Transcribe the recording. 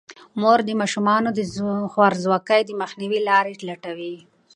مور د ماشومانو د خوارځواکۍ د مخنیوي لارې لټوي.